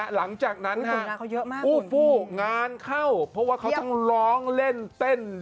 หลังจากนั้นค่ะงานเข้าเพราะว่าเขาทั้งร้องเล่นเต้น